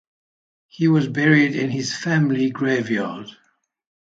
He was buried in his family graveyard.